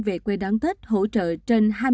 về quê đón tết hỗ trợ trên